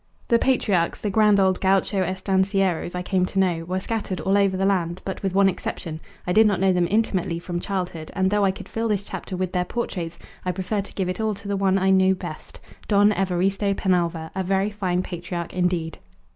The patriarchs, the grand old gaucho estancieros, I came to know, were scattered all over the land, but, with one exception, I did not know them intimately from childhood, and though I could fill this chapter with their portraits I prefer to give it all to the one I knew best, Don Evaristo Penalva, a very fine patriarch indeed.